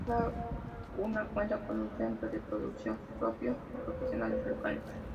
Cada una cuenta con un centro de producción propio y profesionales locales.